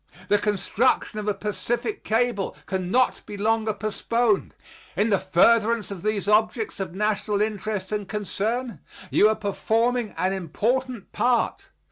The construction of a Pacific cable can not be longer postponed. In the furtherance of these objects of national interest and concern you are performing an important part.